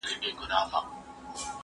هغه څوک چي سپينکۍ مينځي روغ وي،